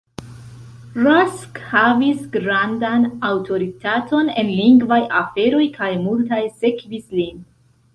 Rask havis grandan aŭtoritaton en lingvaj aferoj, kaj multaj sekvis lin.